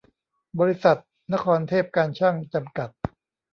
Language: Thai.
บริษัท นครเทพการช่าง จำกัด